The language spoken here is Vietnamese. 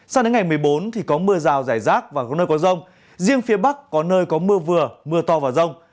sao đến ngày một mươi bốn thì có mưa rào rải rác và có nơi có rông riêng phía bắc có nơi có mưa vừa mưa to và rông